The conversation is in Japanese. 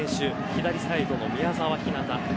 左サイドの宮澤ひなた。